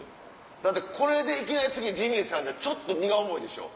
だってこれでいきなり次ジミーさんじゃちょっと荷が重いでしょ。